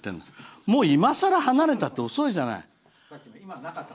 いまさら離れたって遅いじゃない。